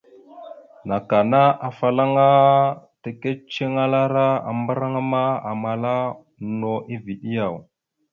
Neke ma, afalaŋa ana taka ceŋelara mbarŋa ma, amala no eveɗe yaw ?